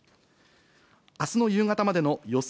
あすの夕方までの予想